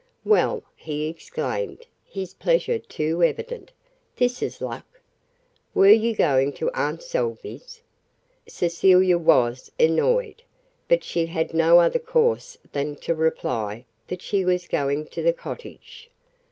"Well," he exclaimed, his pleasure too evident, "this is luck. Were you going to Aunt Salvey's?" Cecilia was annoyed. But she had no other course than to reply that she was going to the cottage.